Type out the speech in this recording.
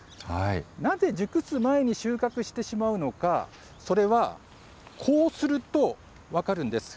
なぜ熟す前に収穫してしまうのか、それはこうすると分かるんです。